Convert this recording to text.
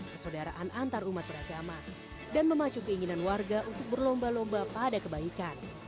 persaudaraan antarumat beragama dan memacu keinginan warga untuk berlomba lomba pada kebaikan